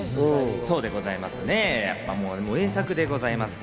そうでございますね。